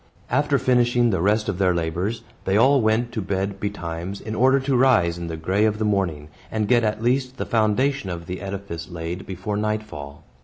After finishing the rest of their labors, they all went to bed betimes, in order to rise in the gray of the morning, and get at least the foundation of the edifice laid before nightfall.